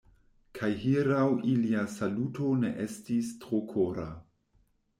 Kaj hieraŭ ilia saluto ne estis tro kora.